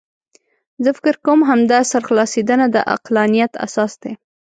زه فکر کوم همدا سرخلاصېدنه د عقلانیت اساس دی.